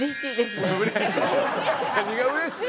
何がうれしい？